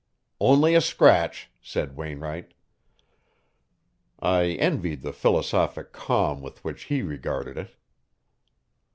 "Only a scratch," said Wainwright. I envied the philosophic calm with which he regarded it.